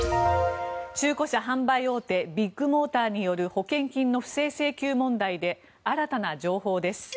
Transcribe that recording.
中古車販売大手ビッグモーターによる保険金の不正請求問題で新たな情報です。